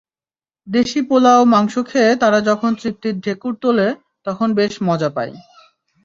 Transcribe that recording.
দেশি পোলাও-মাংস খেয়ে তারা যখন তৃপ্তির ঢেঁকুর তোলে, তখন বেশ মজা পাই।